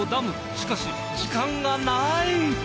しかし時間がない！